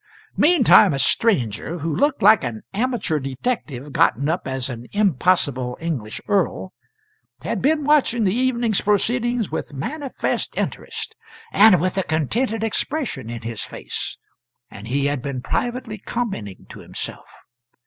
Meantime a stranger, who looked like an amateur detective gotten up as an impossible English earl, had been watching the evening's proceedings with manifest interest, and with a contented expression in his face; and he had been privately commenting to himself.